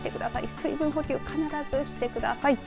水分補給、必ずしてください。